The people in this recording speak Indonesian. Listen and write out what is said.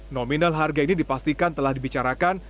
nominal harga ini dipastikan telah dibicarakan